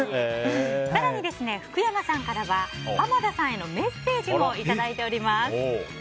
更に、福山さんからは濱田さんへのメッセージもいただいております。